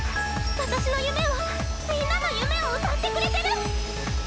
私の夢をみんなの夢を歌ってくれてる。